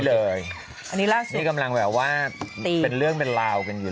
อันนี้ล่าสุดนี่กำลังแบบว่าเป็นเรื่องเป็นราวกันอยู่